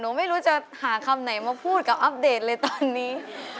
ไม่รู้จะหาคำไหนมาพูดกับอัปเดตเลยตอนนี้